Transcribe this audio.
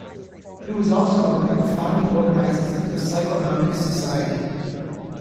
He was also one of the founding organizers of the Psychonomic Society.